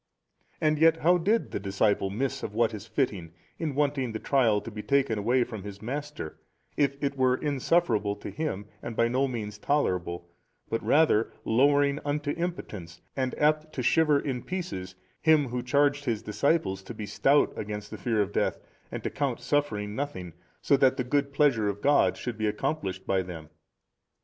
And yet how did the disciple miss of what is fitting, in wanting the trial to be taken away from his Master, if it were insufferable to Him and by no means tolerable but rather lowering unto impotence and apt to shiver in pieces Him Who charged His disciples to be stout against the fear of death and to count suffering nothing, so that the good pleasure of God should be accomplished by them?